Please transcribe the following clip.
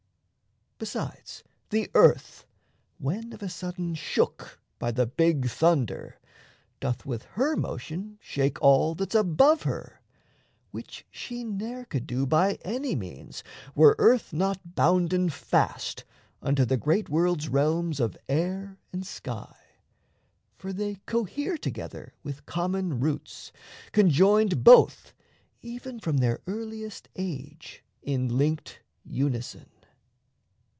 Besides, the earth, when of a sudden shook By the big thunder, doth with her motion shake All that's above her which she ne'er could do By any means, were earth not bounden fast Unto the great world's realms of air and sky: For they cohere together with common roots, Conjoined both, even from their earliest age, In linked unison.